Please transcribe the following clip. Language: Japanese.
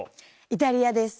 イタリアです。